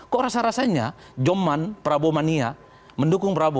kok rasa rasanya joman prabomania mendukung prabowo